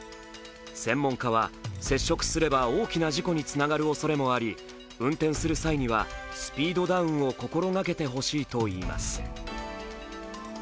専門家は、接触すれば、大きな事故につながるおそれもあり運転する際にはスピードダウンを心掛けてほしいといいます。